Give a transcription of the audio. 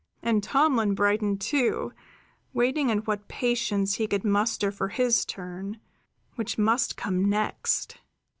And Tomlin brightened, too, waiting in what patience he could muster for his turn, which must come next.